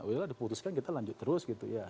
oh ya lah diputuskan kita lanjut terus gitu ya